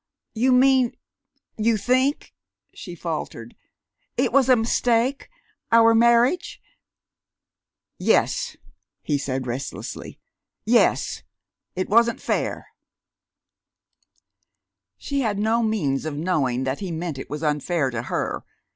"You mean you think," she faltered, "it was a mistake our marriage?" "Yes," he said restlessly. "Yes.... It wasn't fair." She had no means of knowing that he meant it was unfair to her.